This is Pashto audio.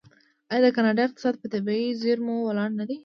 آیا د کاناډا اقتصاد په طبیعي زیرمو ولاړ نه دی؟